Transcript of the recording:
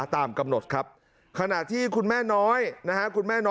ตามกำหนดครับขณะที่คุณแม่น้อยนะครับ